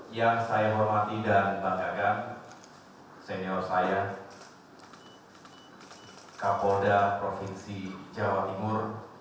yang saya hormati dan banggakan senior saya kapolda provinsi jawa timur